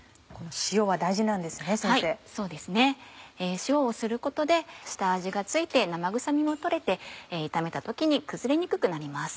塩をすることで下味が付いて生臭みも取れて炒めた時に崩れにくくなります。